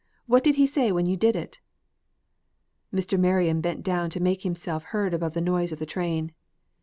What did he say when you did it?" Mr. Marion bent down to make himself heard above the noise of the train.